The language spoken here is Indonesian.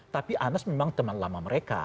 tapi anas memang teman lama mereka